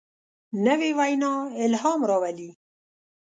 نوې وینا الهام راولي